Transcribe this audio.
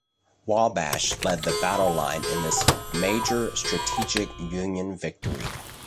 "Wabash" led the battle line in this major strategic Union victory.